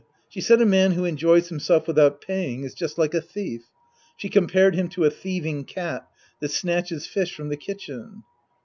She said a man who enjoys himself without paying is just like a thief. She compared him to a thieving cat that snatches fish from the kitchen.